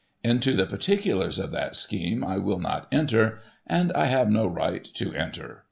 Into the particulars of that scheme I will not enter, and I have no right to enter.